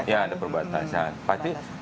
ya ada perbatasan